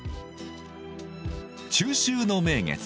中秋の名月。